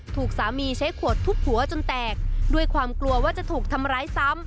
ถูกสามีใช้ขวดทุบหัวจนแตกด้วยความกลัวว่าจะถูกทำร้ายซ้ำ